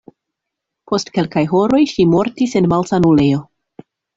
Post kelkaj horoj ŝi mortis en malsanulejo.